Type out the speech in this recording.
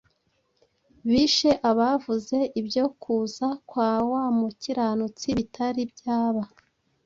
Bishe abavuze ibyo kuza kwa wa mukiranutsi bitari byaba,